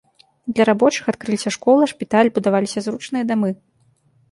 Для рабочых адкрыліся школа, шпіталь, будаваліся зручныя дамы.